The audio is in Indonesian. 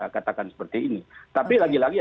katakan seperti ini tapi lagi lagi